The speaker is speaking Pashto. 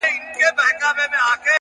د حقیقت درک زړورتیا غواړي,